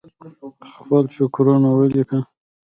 خپل فکرونه ولیکه.